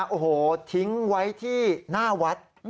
โอ้โหทิ้งไว้ที่หน้าวัด